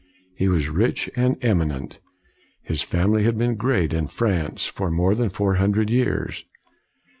He was rich and eminent. His family had been great in France for more than four hun dred years.